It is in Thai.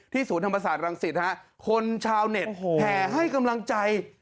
ศูนย์ธรรมศาสตร์รังสิตคนชาวเน็ตแห่ให้กำลังใจ